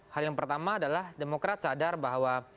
hal yang pertama adalah demokrat sadar bahwa